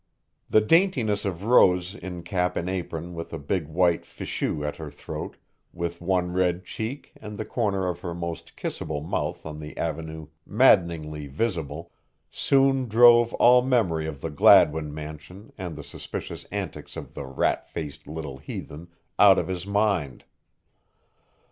The daintiness of Rose in cap and apron with a big white fichu at her throat, with one red cheek and the corner of the most kissable mouth on the avenue maddeningly visible, soon drove all memory of the Gladwin mansion and the suspicious antics of the "rat faced little heathen" out of his mind.